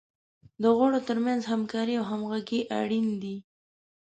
د غړو تر منځ همکاري او همغږي اړین دی.